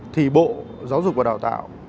thì bộ giáo dục và đào tạo